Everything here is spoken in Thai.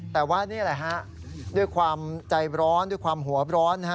แต่ว่านี่แหละฮะด้วยความใจร้อนด้วยความหัวร้อนนะฮะ